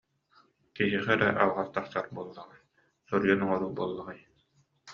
Киһиэхэ эрэ алҕас тахсар буоллаҕа, соруйан оҥоруу буоллаҕай